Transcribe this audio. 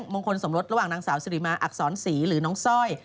มงคลสมรสระหว่างนางสาวสิริมาอักษรศรีหรือน้องสร้อย